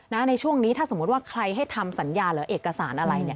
ในช่วงนี้ถ้าสมมุติว่าใครให้ทำสัญญาหรือเอกสารอะไรเนี่ย